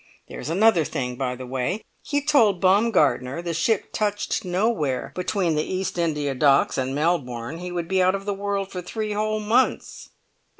There's another thing, by the way! He told Baumgartner the ship touched nowhere between the East India Docks and Melbourne; he would be out of the world for three whole months."